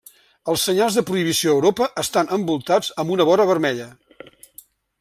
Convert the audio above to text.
Els senyals de prohibició a Europa estan envoltats amb una vora vermella.